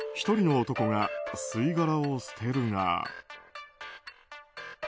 １人の男が吸い殻を捨てるが。